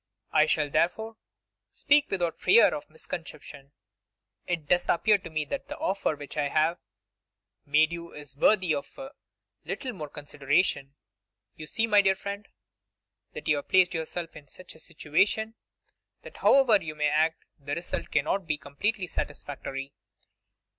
I shall, therefore, speak without fear of misconception. It does appear to me that the offer which I have made you is worthy of a little more consideration. You see, my dear friend, that you have placed yourself in such a situation that however you may act the result cannot be one completely satisfactory.